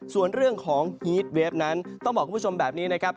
ส่วนเรื่องของฮีตเวฟนั้นต้องบอกคุณผู้ชมแบบนี้นะครับ